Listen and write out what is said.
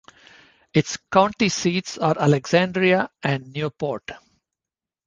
Its county seats are Alexandria and Newport.